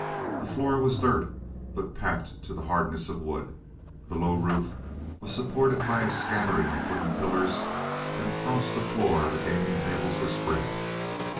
The floor was dirt, but packed to the hardness of wood. The low roof was supported by a scattering of wooden pillars, and across the floor the gaming tables were spread.